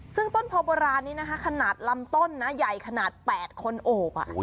ซึ่งต้นโพโบราณนี้นะคะขนาดลำต้นนะใหญ่ขนาด๘คนโอบ